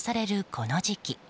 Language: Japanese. この時期。